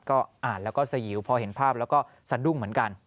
ก็อ่านแล้วก็สยิวพอเห็นภาพแล้วก็สะดุ้งเหมือนกัน